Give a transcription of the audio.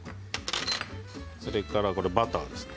それからバターですね。